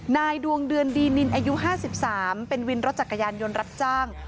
ดวงเดือนดีนินอายุ๕๓เป็นวินรถจักรยานยนต์รับจ้าง